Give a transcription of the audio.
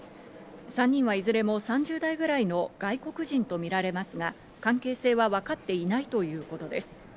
３人はいずれも３０代くらいの外国人とみられますが、関係性はわかっていないということです。